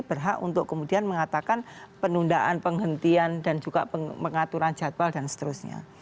berhak untuk kemudian mengatakan penundaan penghentian dan juga pengaturan jadwal dan seterusnya